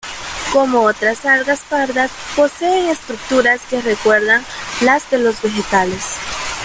Como otras algas pardas, posee estructuras que recuerdan las de los vegetales.